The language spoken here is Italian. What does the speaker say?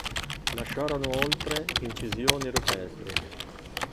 Lasciarono oltre incisioni rupestri.